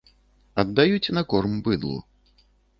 Аддаюць на корм быдлу.